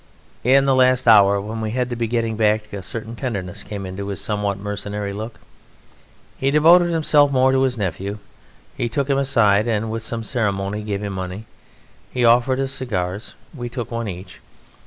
In the last hour when we had to be getting back a certain tenderness came into his somewhat mercenary look. He devoted himself more to his nephew; he took him aside, and, with some ceremony, gave him money. He offered us cigars. We took one each.